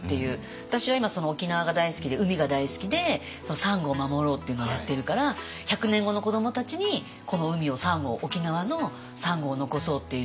私は今沖縄が大好きで海が大好きでサンゴを守ろうっていうのをやってるから１００年後の子どもたちにこの海をサンゴを沖縄のサンゴを残そうっていうので。